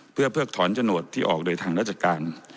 เพื่อเพิกถอนโฉนดที่ออกโดยทางราชการ